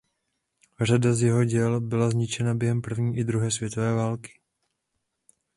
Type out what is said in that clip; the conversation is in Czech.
Řada z jeho děl byla zničena během první i druhé světové války.